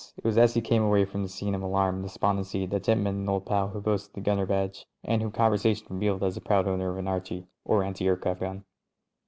It was as he came away from this scene of alarm and despondency that Jim met an old pal who boasted the gunner badge, and whom conversation revealed as the proud owner of an Archie, or anti aircraft gun.